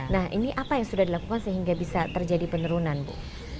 nah ini apa yang sudah dilakukan sehingga bisa terjadi penurunan bu